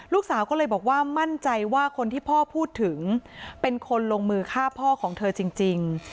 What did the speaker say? ลูกสาวก็เลยบอกว่ามั่นใจว่าคนที่พ่อพูดถึงเป็นคนลงมือฆ่าพ่อของเธอจริง